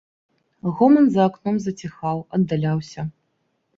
Гоман за акном заціхаў, аддаляўся.